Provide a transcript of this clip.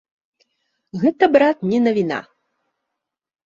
Гэта, брат, не навіна!